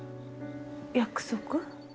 約束？